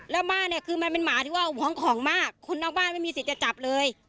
แล้วบ้านเนี้ยคือมันเป็นหมาที่บ้านของมากคนนักบ้านมันไม่มีสิทธิ์กับเลย